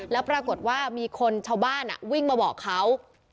แล้วปรากฏว่ามีคนชาวบ้านวิ่งมาบอกเขา